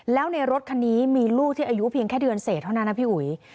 แล้วในรถคันนี้มีลูกที่อายุเพียงแค่เดือนเศษเท่านั้นนะพี่อุ๋ย